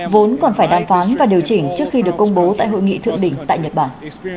vốn còn phải đàm phán và điều chỉnh trước khi được công bố tại hội nghị thượng đỉnh tại nhật bản